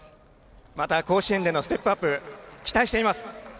また、甲子園でのステップアップ期待しています。